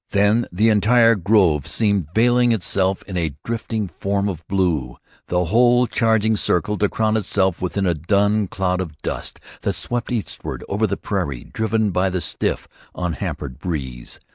Then the entire grove seemed veiling itself in a drifting film of blue, the whole charging circle to crown itself with a dun cloud of dust that swept eastward over the prairie, driven by the stiff, unhampered breeze.